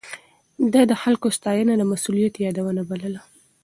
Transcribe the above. ده د خلکو ستاينه د مسؤليت يادونه بلله.